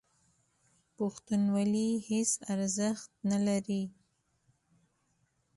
پښتونولي هېڅ ارزښت نه لري.